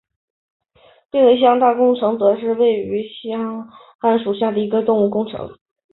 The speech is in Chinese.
另一项大工程则是位于汉江纛岛游园地的首尔森林公园工程。